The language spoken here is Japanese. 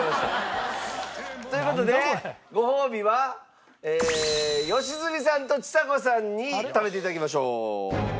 ハハハ！という事でごほうびは良純さんとちさ子さんに食べていただきましょう。